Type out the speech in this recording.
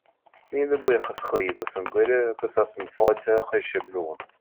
Míle buíochas daoibh as an gcuireadh agus as an fáilte a chuir sibh romham.